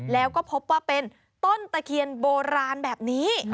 แล้วก็พบว่าเป็นต้นตะเคียนโบราณแบบนี้